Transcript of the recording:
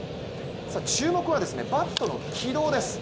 注目はバットの軌道です。